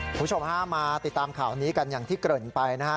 คุณผู้ชมฮะมาติดตามข่าวนี้กันอย่างที่เกริ่นไปนะฮะ